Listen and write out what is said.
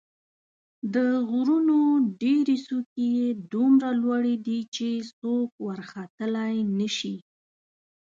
د غرونو ډېرې څوکې یې دومره لوړې دي چې څوک ورختلای نه شي.